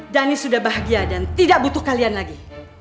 dhani sudah bahagia dan tidak butuh kalian lagi